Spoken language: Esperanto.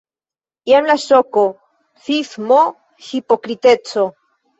Jen la ŝoko, sismo, hipokriteco.